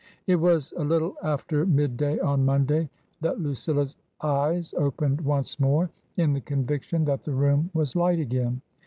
It was a little after midday on Monday that Lucilla's eyes opened once more in the conviction that the room was light again.